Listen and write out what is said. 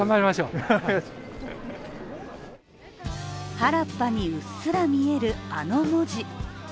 原っぱにうっすら見える、あの文字。